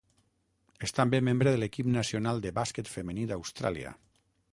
És també membre de l'equip nacional de bàsquet femení d'Austràlia.